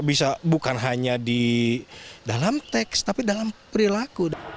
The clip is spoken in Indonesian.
bisa bukan hanya di dalam teks tapi dalam perilaku